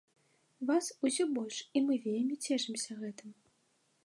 Вас усё больш, і мы вельмі цешымся гэтым.